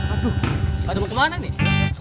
aduh ada mau kemana nih